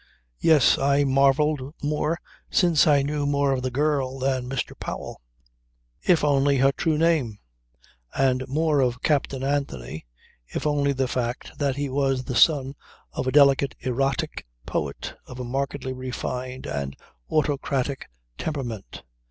Yes, I marvelled more since I knew more of the girl than Mr. Powell if only her true name; and more of Captain Anthony if only the fact that he was the son of a delicate erotic poet of a markedly refined and autocratic temperament.